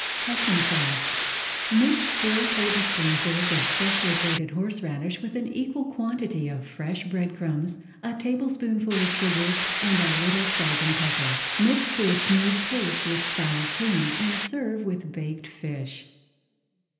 HESSIAN SAUCE Mix four tablespoonfuls of freshly grated horseradish with an equal quantity of fresh bread crumbs, a tablespoonful of sugar, and a little salt and pepper. Mix to a smooth paste with sour cream and serve with baked fish.